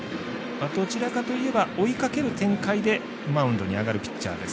どちらかというと追いかける展開でマウンドに上がるピッチャーです